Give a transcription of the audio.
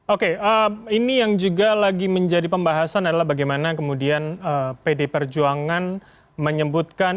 oke ini yang juga lagi menjadi pembahasan adalah bagaimana kemudian pd perjuangan menyebutkan